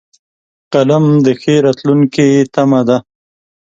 قلم د ښې راتلونکې تمه ده